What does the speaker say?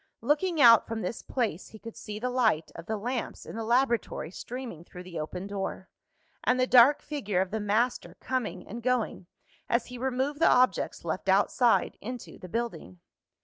Looking out from this place, he could see the light of the lamps in the laboratory streaming through the open door, and the dark figure of the master coming and going, as he removed the objects left outside into the building.